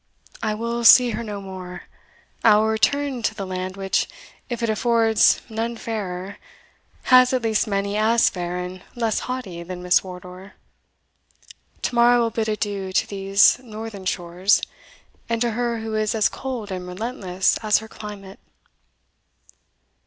I will see her no more. I will return to the land which, if it affords none fairer, has at least many as fair, and less haughty than Miss Wardour. Tomorrow I will bid adieu to these northern shores, and to her who is as cold and relentless as her climate."